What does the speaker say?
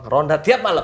ronda tiap malem